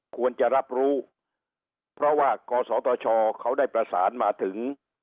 ควรจะรับรู้เพราะว่ากศตชเขาได้ประสานมาถึง